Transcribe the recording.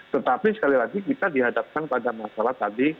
tetapi sekali lagi kita dihadapkan pada masalah tadi